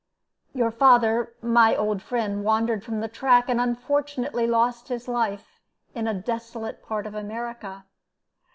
Your father, my old friend, wandered from the track, and unfortunately lost his life in a desolate part of America."